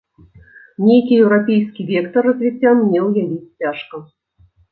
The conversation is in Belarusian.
Нейкі еўрапейскі вектар развіцця мне ўявіць цяжка.